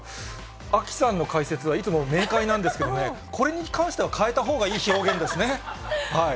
アキさんの解説はいつもめいかいなんですけどね、これに関しては、変えたほうがいい表現ですね。